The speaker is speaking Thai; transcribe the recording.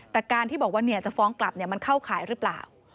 แต่การที่บอกว่าจะฟ้องกลับมันเข้าข่ายหรือเปล่า